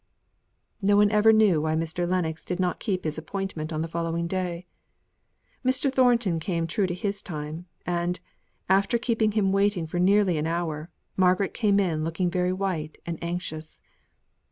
No one ever knew why Mr. Lennox did not keep to his appointment on the following day. Mr. Thornton came true to his time; and after keeping him waiting for nearly an hour, Margaret came in looking very white and anxious.